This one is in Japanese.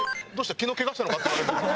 昨日ケガしたのか？」って言われる。